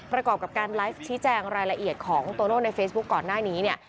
ประกอบกับการไลฟ์ชี้แจงรายละเอียดของโตโน่ในเฟซบุ๊คก่อนหน้านี้เนี่ย